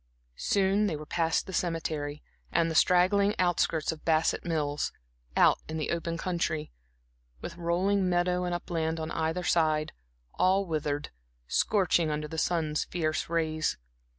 Soon they were past the cemetery and the straggling outskirts of Bassett Mills, out into the open country, with rolling meadow and upland on either side, all withered, scorching under the sun's fierce rays.